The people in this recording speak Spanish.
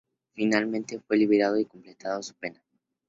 Finalmente fue liberado y completó su pena.